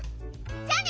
じゃあね！